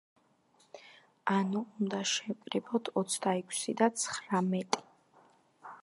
ანუ, უნდა შევკრიბოთ ოცდაექვსი და ცხრამეტი.